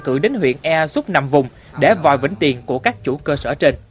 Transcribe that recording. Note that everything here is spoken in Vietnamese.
cự đến huyện ea xúc nằm vùng để vòi vỉnh tiền của các chủ cơ sở trên